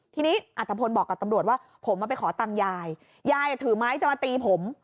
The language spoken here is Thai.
ทีนี้อัตภพลบอกกับตำรวจว่าผมมาไปขอตังค์ยายยายถือไม้จะมาตีผม